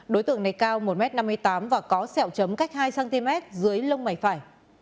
đối tượng này cao một m năm mươi tám và có sẹo chấm cách hai cm dưới lông mày phải